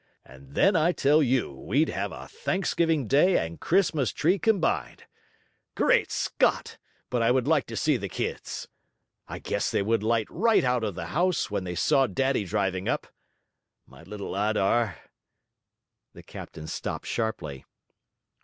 And then I tell you we'd have a thanksgiving day and Christmas tree combined. Great Scott, but I would like to see the kids! I guess they would light right out of the house, when they saw daddy driving up. My little Adar ' The captain stopped sharply.